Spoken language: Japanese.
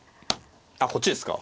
あっこっちですか。